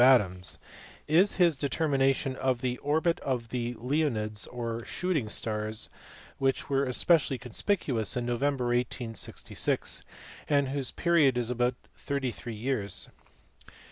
491 Adams, is his determination of the orbit of the Leonids or shooting stars which were especially conspicuous in November, 1866, and whose period is about thirty three years.